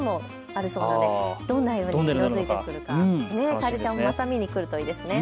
カエルちゃんまた見に来るといいですね。